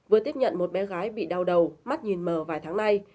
vừa tiếp nhận một bé gái bị đau đầu mắt nhìn mờ vài tháng nay